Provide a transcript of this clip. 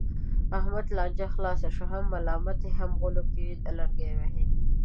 احمده! لانجه خلاصه شوه، هم ملامت یې هم غولو کې لرګی وهې.